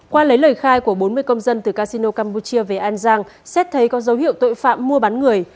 qua lấy lời khai của bốn mươi công dân từ casino campuchia về an giang xét thấy có dấu hiệu tội phạm mua bán người